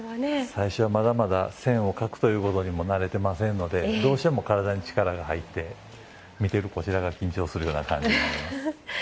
最初は、まだまだ線を描くということにも慣れていませんのでどうしても体に力が入って見てるこちらが緊張するような感じがあります。